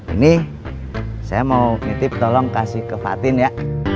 ini saya mau nitip tolong kasih ke fatin ya